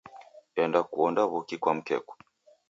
Enda kuonda w'uki kwa mkeku.